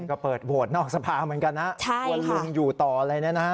ก็เปิดโบสถ์นอกสภาเหมือนกันนะควรลงอยู่ต่อเลยนะ